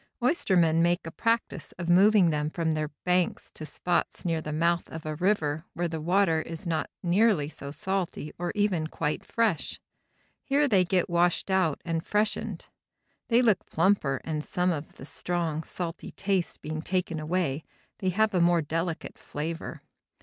Oystermen make a practice of moving them from their banks to spots near the mouth of a river where the water is not nearly so salty or even quite fresh. Here they get washed out and freshened. They look plumper and some of the strong, salty taste being taken away, they have a more delicate flavor.